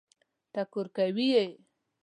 ټکور کوي یې.